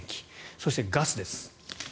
そしてガスです。